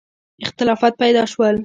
اختلافات پیدا شول.